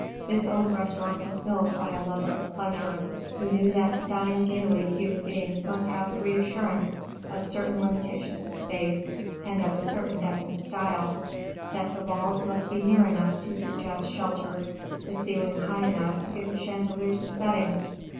This old restaurant was built by a lover of pleasure, who knew that to dine gayly human beings must have the reassurance of certain limitations of space and of a certain definite style; that the walls must be near enough to suggest shelter, the ceiling high enough to give the chandeliers a setting.